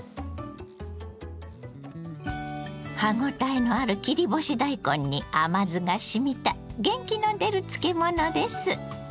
歯ごたえのある切り干し大根に甘酢がしみた元気の出る漬物です。